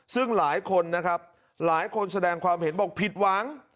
ซึ่งหลายคนนะครับหลายคนแสดงความเห็นบอกผิดหวัง